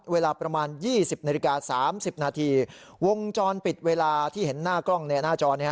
เวลาประมาณ๒๐นาฬิกา๓๐นาทีวงจรปิดเวลาที่เห็นหน้ากล้องในหน้าจอ